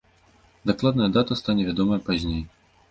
Дакладная дата стане вядомая пазней.